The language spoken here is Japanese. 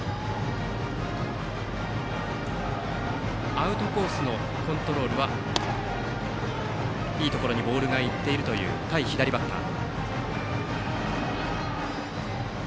アウトコースのコントロールはいいところにボールが行っているという対左バッター。